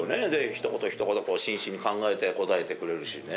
ひと言ひと言、真摯に考えて答えてくれるしね。